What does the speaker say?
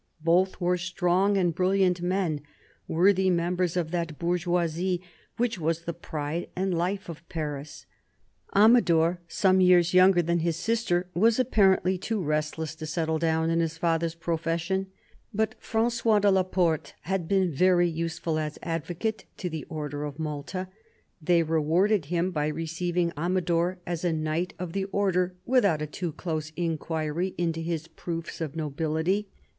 Both were strong and brilliant men worthy members of that bourgeoisie which was the pride and life of Paris. Amador, some years younger than his' JO EARLY YEARS ii sister, was apparently too restless to settle down in his father's profession. But Frangois de la Porte had been very useful, as advocate, to the Order of Malta. They rewarded him by receiving Amador as a Knight of the Order, without a too close inquiry into his proofs of nobility.